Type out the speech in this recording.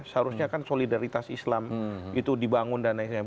seharusnya kan solidaritas islam itu dibangun dan lain sebagainya